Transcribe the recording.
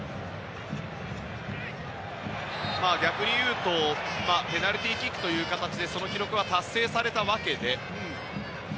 逆に、ペナルティーキックという形でその記録は達成されたわけで。